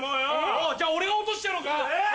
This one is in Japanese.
おうじゃあ俺が落としてやろうか！